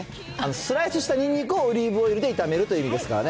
スライスしたニンニクをオリーブオイルで炒めるという意味ですからね。